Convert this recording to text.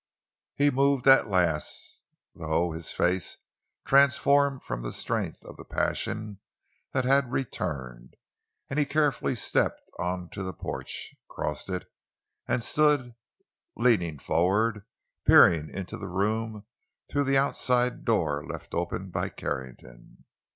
He moved at last, though, his face transformed from the strength of the passion that had returned, and he carefully stepped on the porch, crossed it, and stood, leaning forward, peering into the room through the outside door left open by Carrington.